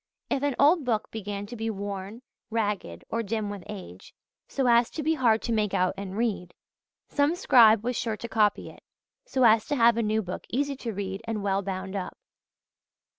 If an old book began to be worn, ragged, or dim with age, so as to be hard to make out and read, some scribe was sure to copy it, so as to have a new book easy to read and well bound up.